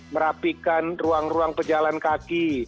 merapikan ruang ruang pejalan kaki